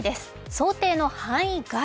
想定の範囲外。